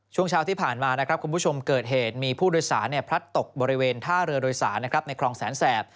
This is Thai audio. ช่วงเช้าที่ผ่านมานะครับคุณผู้ชมเกิดเหตุมีผู้โดยสารพลัดตกบริเวณท่าเรือโดยสารในคลองแสนแสบ